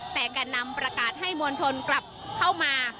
แต่แก่นำประกาศให้มวลชนกลับเข้ามา